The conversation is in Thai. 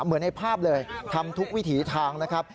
เหมือนในภาพเลยทำทุกวิถีทางนะครับ